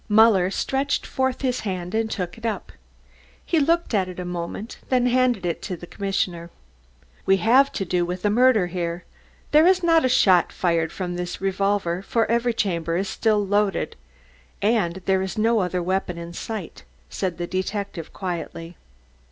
Muller stretched forth his hand and took it up. He looked at it a moment, then handed it to the commissioner. "We have to do with a murder here. There was not a shot fired from this revolver, for every chamber is still loaded. And there is no other weapon in sight," said the detective quietly.